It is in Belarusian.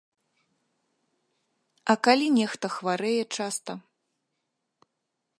А калі нехта хварэе часта?